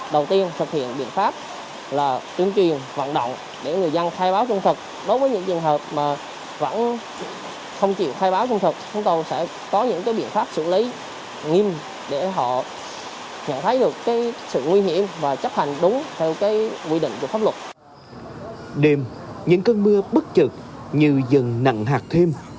đêm những cơn mưa bất chợt như dần nặng hạt thêm